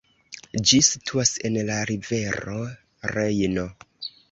Ĝi situas en la rivero Rejno.